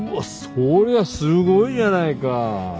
そりゃすごいじゃないか！